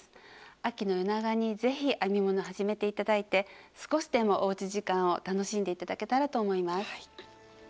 秋の夜長に是非編み物始めていただいて少しでもおうち時間を楽しんでいただけたらと思います。